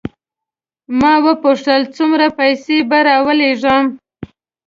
ما وپوښتل څومره پیسې به راولېږم.